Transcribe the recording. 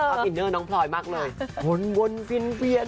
เอออัพอินเนอร์น้องพลอยมากเลยหวนวนเฟียนเฟียน